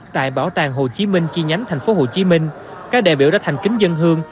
tại bảo tàng hồ chí minh chi nhánh tp hcm các đại biểu đã thành kính dân hương